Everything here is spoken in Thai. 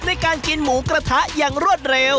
ในการกินหมูกระทะอย่างรวดเร็ว